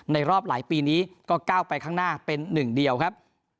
รอบหลายปีนี้ก็ก้าวไปข้างหน้าเป็นหนึ่งเดียวครับ